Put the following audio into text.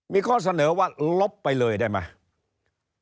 มีข้อเสนอว่าลบไปเลยได้ไหม